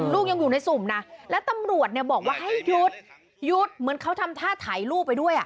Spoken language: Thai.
ลูกยังอยู่ในสุ่มนะแล้วตำรวจเนี่ยบอกว่าให้หยุดหยุดเหมือนเขาทำท่าถ่ายรูปไปด้วย